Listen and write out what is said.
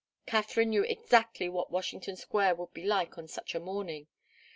Katharine knew exactly what Washington Square would be like on such a morning.